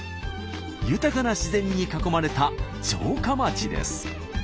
豊かな自然に囲まれた城下町です。